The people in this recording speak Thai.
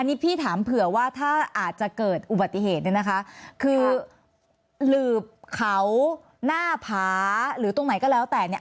นี่พี่ถามเผื่อว่าถ้าอาจจะเกิดอุบัติเหตุเนี่ยนะคะคือหลืบเขาหน้าผาหรือตรงไหนก็แล้วแต่เนี่ย